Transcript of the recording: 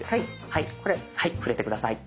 はい触れて下さい。